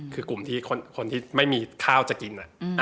คือกลุ่มที่คนที่ไม่มีข้าวจะกิน